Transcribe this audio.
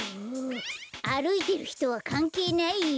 あるいてるひとはかんけいないよ。